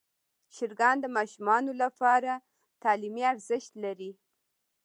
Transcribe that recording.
چرګان د ماشومانو لپاره تعلیمي ارزښت لري.